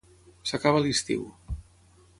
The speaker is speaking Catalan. S'acaba s'estiu